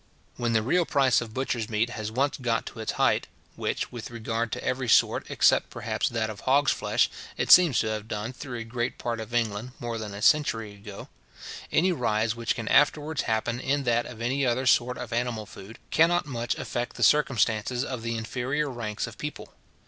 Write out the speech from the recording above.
When the real price of butcher's meat has once got to its height (which, with regard to every sort, except perhaps that of hogs flesh, it seems to have done through a great part of England more than a century ago), any rise which can afterwards happen in that of any other sort of animal food, cannot much affect the circumstances of the inferior ranks of people.